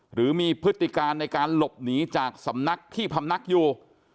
หรือมีพฤติการในการหลบหนีจากสำนักที่พำนักอยู่